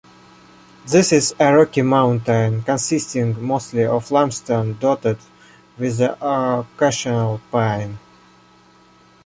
This is a rocky mountain, consisting mostly of limestone, dotted with the occasional pine.